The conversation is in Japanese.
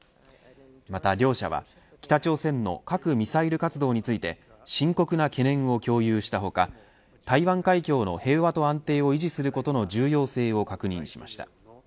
また両者は北朝鮮の核・ミサイル活動について深刻な懸念を共有した他台湾海峡の平和と安定を維持することの重要性を確認しました。